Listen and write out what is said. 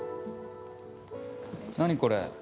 何これ。